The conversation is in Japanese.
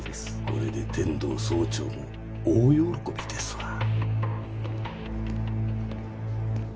これで天堂総長も大喜びですわ。